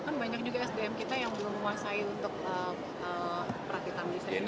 kan banyak juga sdm kita yang belum memuasai untuk perakitan bisnis